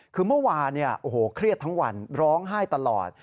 คือเมื่อวานเนี่ยโอ้โหเครียดทั้งวันร้องไห้ตลอด